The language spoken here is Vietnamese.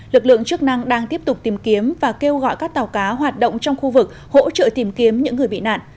lực lượng chức năng đang tiếp tục tìm kiếm và kêu gọi các tàu cá hoạt động trong khu vực hỗ trợ tìm kiếm những người bị nạn